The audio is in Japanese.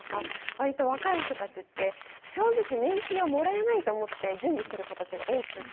割と若い人たちって正直年金をもらえないと思って準備してる子たちが多くて。